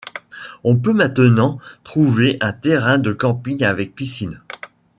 On peut maintenant trouver un terrain de camping avec piscine.